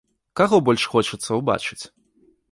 Каго больш хочацца ўбачыць?